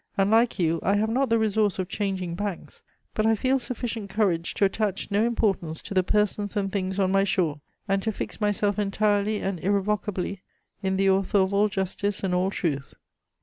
Unlike you, I have not the resource of changing banks, but I feel sufficient courage to attach no importance to the persons and things on my shore, and to fix myself entirely and irrevocably in the Author of all justice and all truth.